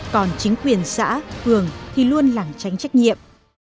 còn chính quyền xã phường thì luôn lẳng tránh trách nhiệm